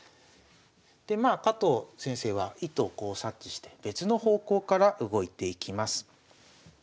でまあ加藤先生は意図をこう察知して別の方向から動いていきます。